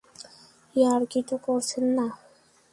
ইয়ার্কি তো করছেন না।